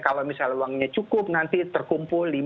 kalau misalnya uangnya cukup nanti terkumpul